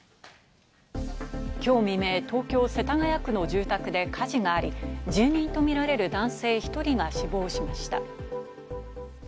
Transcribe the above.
今日未明、東京・世田谷区の住宅で火事があり、住人とみられる男性１人が死亡しました。